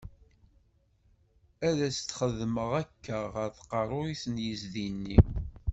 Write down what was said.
Ad as-txeddmeḍ akka, ɣer tqerruyt n yiẓdi-nni.